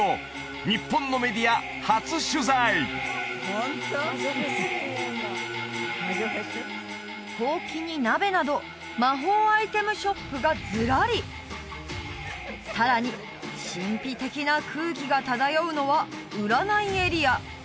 これまで公に出なかったほうきに鍋など魔法アイテムショップがずらりさらに神秘的な空気が漂うのは占いエリア